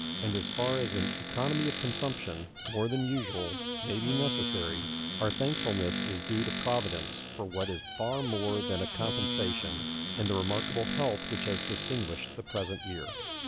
And as far as an economy of consumption, more than usual, may be necessary, our thankfulness is due to Providence for what is far more than a compensation, in the remarkable health which has distinguished the present year.